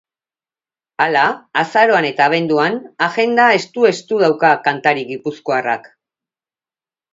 Hala, azaroan eta abenduan agenda estu-estu dauka kantari gipuzkoarrak.